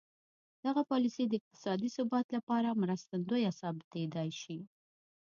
دغه پالیسي د اقتصادي ثبات لپاره مرستندویه ثابتېدای شي.